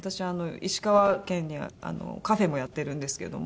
石川県にカフェもやってるんですけども。